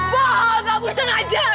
pohong kamu setengah jaga